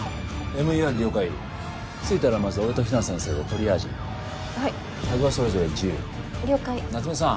ＭＥＲ了解着いたらまず俺と比奈先生でトリアージはいタグはそれぞれ１０了解夏梅さん